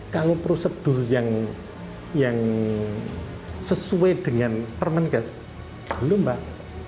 kalau prosedur yang sesuai dengan permenkes belum mbak